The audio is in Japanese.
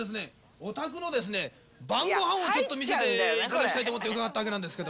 お宅のですね、晩ごはんをちょっと見せていただきたいと思って伺ったわけなんですけど。